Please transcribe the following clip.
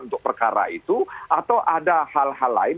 untuk perkara itu atau ada hal hal lain